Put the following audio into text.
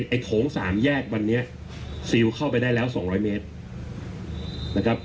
ไอโถง๓แยกวันเนี้ยซิลเข้าไปได้แล้ว๒๐๐เมตร